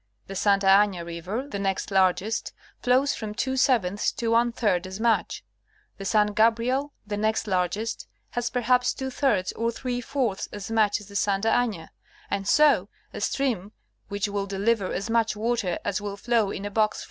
The Santa Ana river, the next largest, flows from two sevenths to one third as much ; the San Gabriel, the next largest, has perhaps two thirds or three fourths as much as the Santa Ana ; and so, a stream which will deliver as much water as will flow in a box 4.